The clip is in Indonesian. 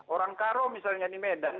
orang karo misalnya di medan